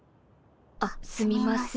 あっすみません。